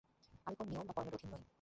আমি কোন নিয়ম বা কর্মের অধীন নই।